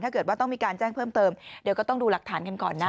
ถ้าเกิดว่าต้องมีการแจ้งเพิ่มเติมเดี๋ยวก็ต้องดูหลักฐานกันก่อนนะ